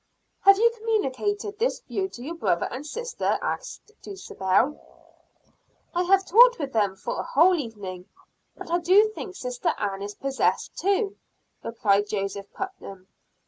"Have you communicated this view to your brother and sister?" asked Dulcibel. "I have talked with them for a whole evening, but I do think Sister Ann is possessed too," replied Joseph Putnam.